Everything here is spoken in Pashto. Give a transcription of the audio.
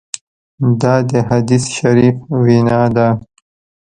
دا د حدیث شریف وینا ده.